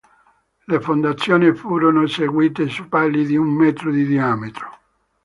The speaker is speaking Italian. Le fondazioni furono eseguite su pali di un metro di diametro.